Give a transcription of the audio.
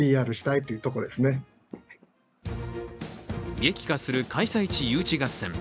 激化する開催地誘致合戦。